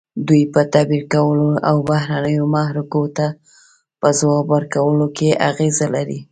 دوی په تعبیر کولو او بهرنیو محرکو ته په ځواب ورکولو کې اغیزه لري.